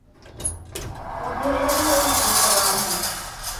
mu gihe yariho yigisha abantu.